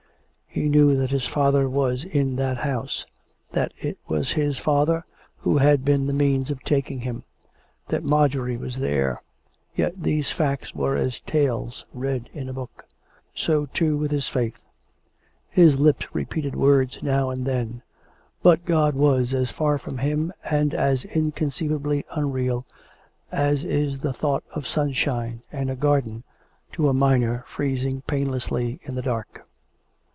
He knew that his father was in that house; that it was his father who had been the means of taking him; that Marjorie was there — yet these facts were as tales read in a book. So, too, with his faith; his lips repeated words now and then; but God was as far from him and as inconceivably unreal, as is the thought of sunshine and a garden to a miner freezing painlessly in the dark. ... COME RACK!